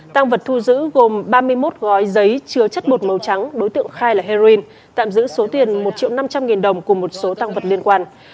tăng vật thu giữ gồm ba mươi một gói giấy chứa chất bột màu trắng đối tượng khai là heroin tạm giữ số tiền một triệu năm trăm linh nghìn đồng cùng một số tăng vật liên quan